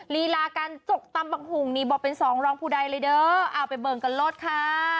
ลีลาการจกตำบักหุงนี่บอกเป็นสองรองผู้ใดเลยเด้อเอาไปเบิงกันลดค่ะ